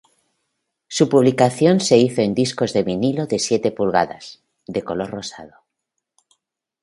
Su publicación se hizo en discos de vinilo de siete pulgadas, de color rosado.